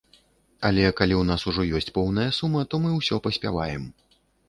Але калі ў нас ужо ёсць поўная сума, то мы ўсё паспяваем.